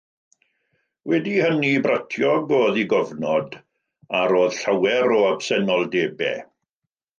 Wedi hynny, bratiog oedd ei gofnod, ar roedd llawer o absenoldebau.